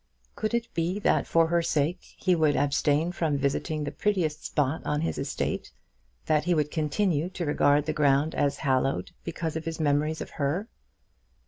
Could it be that for her sake he would abstain from visiting the prettiest spot on his estate, that he would continue to regard the ground as hallowed because of his memories of her?